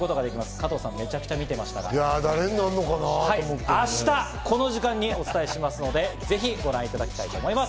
加藤さん、めちゃくちゃ見てましたが、明日この時間にお伝えしますので、ぜひご覧いただきたいと思います。